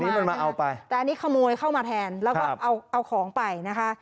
อันนี้มันมาเอาไปแต่อันนี้ขโมยเข้ามาแทนแล้วก็เอาเอาของไปนะคะ